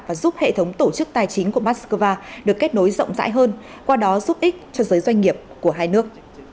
và giúp hệ thống tổ chức tài chính của moscow được kết nối rộng rãi hơn qua đó giúp ích cho giới doanh nghiệp của hai nước